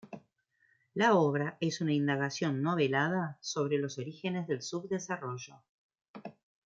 La obra es una indagación novelada sobre los orígenes del subdesarrollo.